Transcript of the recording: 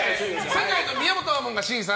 世界の宮本亞門が審査！